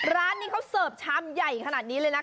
ร้านนี้เขาเสิร์ฟชามใหญ่ขนาดนี้เลยนะคะ